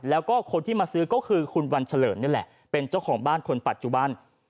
แล้วก็คนที่มาซื้อก็คือคุณวันเฉลิมนี่แหละเป็นเจ้าของบ้านคนปัจจุบัน